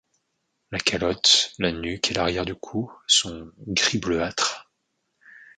La calotte, la nuque et l'arrière du cou sont gris bleuâtre.